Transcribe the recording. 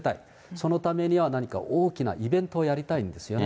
そのためには何か大きなイベントをやりたいんですよね。